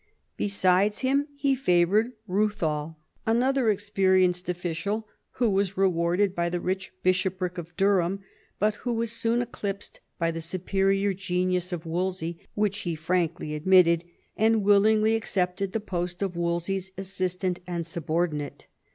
Besides him he favoured Euthal, another experienced official, who was rewarded by the rich bishopric of Durham, but who was soon eclipsed by the superior genius of Wolsey, which he frankly admitted, and willingly accepted the post of Wolsey's assistant and subordinate.